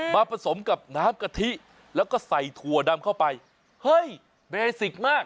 ผสมกับน้ำกะทิแล้วก็ใส่ถั่วดำเข้าไปเฮ้ยเบสิกมาก